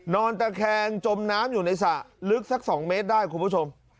นอนตะแคงจมน้ำอยู่ในสระลึกสัก๒เมตรได้คุณผู้ชม